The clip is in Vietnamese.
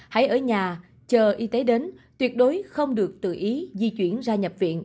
hãy ở nhà chờ y tế đến tuyệt đối không được tự ý di chuyển ra nhập viện